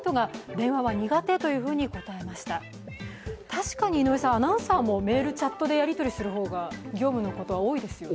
確かにアナウンサーもメール、チャットでやりとりすることが多いですよね。